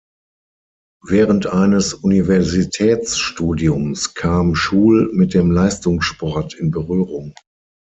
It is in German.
Während eines Universitätsstudiums kam Schul mit dem Leistungssport in Berührung.